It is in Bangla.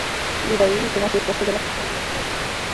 বিদায়ী তোমার শেষ স্পর্শ যেন কোনো শিহরণই জাগাতে পারেনি আমার মনে।